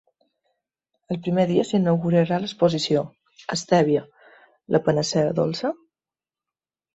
El primer dia s’inaugurarà l’exposició ‘Estèvia, la panacea dolça?’.